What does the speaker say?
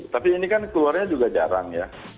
tapi ini kan keluarnya juga jarang ya